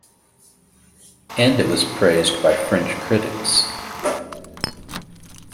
And it was praised by French critics.